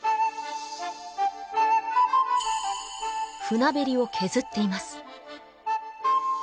船べりを削っています